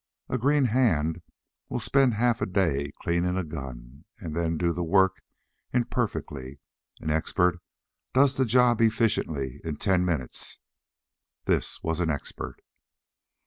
A green hand will spend half a day cleaning a gun, and then do the work imperfectly; an expert does the job efficiently in ten minutes. This was an expert.